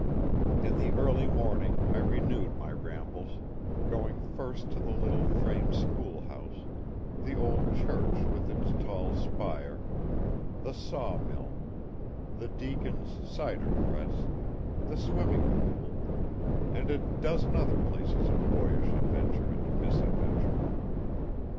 In the early morning I renewed my rambles, going first to the little frame school house, the old church with its tall spire, the saw mill, the deacon's cider press, the swimming pool, and a dozen other places of boyish adventure and misadventure.